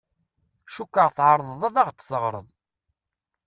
Cukkeɣ tɛerḍeḍ ad aɣ-d-teɣṛeḍ.